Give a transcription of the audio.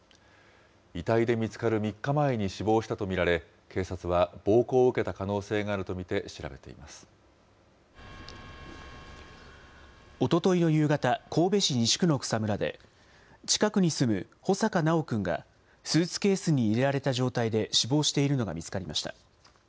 遺体で見つかる３日前に死亡したと見られ、警察は暴行を受けた可おとといの夕方、神戸市西区の草むらで、近くに住む穂坂修くんがスーツケースに入れられた状態で死亡しているのが見つかりました。